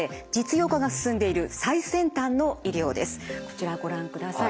こちらをご覧ください。